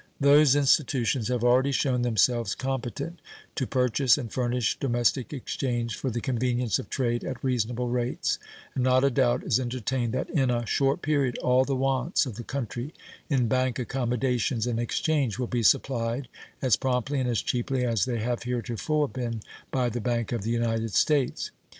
Those institutions have already shown themselves competent to purchase and furnish domestic exchange for the convenience of trade at reasonable rates, and not a doubt is entertained that in a short period all the wants of the country in bank accommodations and exchange will be supplied as promptly and as cheaply as they have heretofore been by the Bank of the United States.